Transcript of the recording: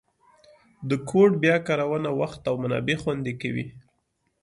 د کوډ بیا کارونه وخت او منابع خوندي کوي.